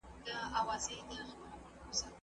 ایا ته د سرسید خان د نظریاتو پلوی یې؟